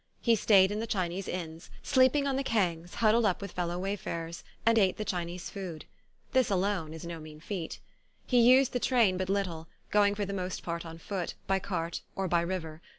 He stayed in the Chinese inns, sleeping on the kangs huddled up with fellow wayfarers, and ate the Chinese food. This alone is no mean feat. He used the 20 THE ROLLING STOKE train but little, going for the most part on foot, by cart, or by river.